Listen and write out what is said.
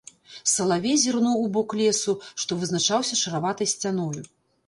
Салавей зірнуў у бок лесу, што вызначаўся шараватай сцяною.